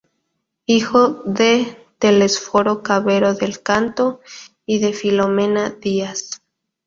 Hijo de Telesforo Cabero del Canto y de Filomena Díaz.